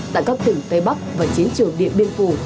tại các tỉnh tây bắc và chiến trường điện biên phủ